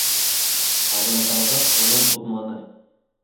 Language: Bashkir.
Абынғанға ҡулын һуҙманы.